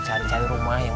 cucu teh mau kesana